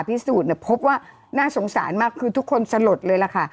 พิสูจน์เนี่ยพบว่าน่าสงสารมากคือทุกคนสลดเลยล่ะค่ะ